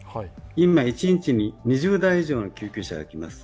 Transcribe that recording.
今、一日に２０台以上の救急車が来ます。